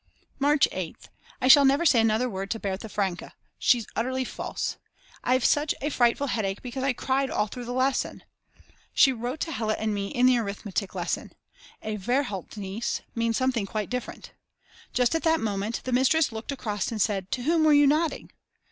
March 8th. I shall never say another word to Berta Franker she's utterly false. I've such a frightful headache because I cried all through the lesson. She wrote to Hella and me in the arithmetic lesson: A Verhaltnis means something quite different. Just at that moment the mistress looked across and said: To whom were you nodding?